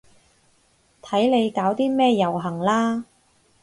睇你搞啲咩遊行啦